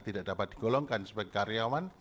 tidak dapat digolongkan sebagai karyawan